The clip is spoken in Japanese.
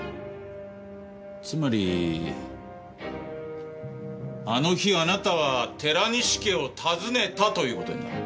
つまりあの日あなたは寺西家を訪ねたという事になる。